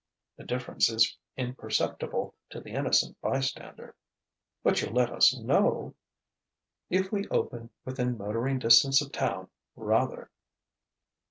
"The difference is imperceptible to the innocent bystander." "But you'll let us know ?" "If we open within motoring distance of Town rather!"